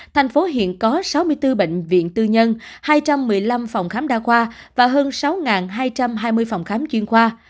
thành phố hiện có sáu mươi bốn bệnh viện tư nhân hai trăm một mươi năm phòng khám đa khoa và hơn sáu hai trăm hai mươi phòng khám chuyên khoa